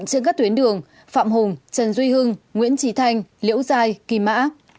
các tuyến đường phạm hùng trần duy hưng nguyễn trì thanh liễu giai kỳ mã